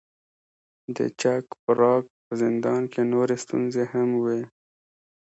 د چک پراګ په زندان کې نورې ستونزې هم وې.